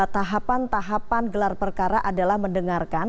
tahapan tahapan gelar perkara adalah mendengarkan